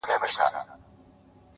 • مگر هېر به وایه څنگه ستا احسان کړم ,